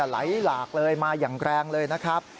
ไหลหลากเลยมาอย่างแรงเลยนะครับ